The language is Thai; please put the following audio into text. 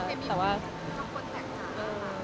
มันควรแท็กจากคุณหรอค่ะ